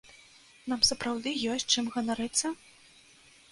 Нам сапраўды ёсць чым ганарыцца?